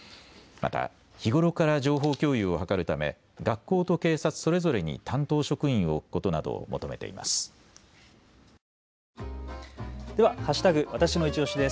また日頃から情報共有を図るため学校と警察それぞれに担当職員を置くことなどを求めています。